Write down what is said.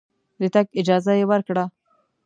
د تګ اجازه یې ورکړه.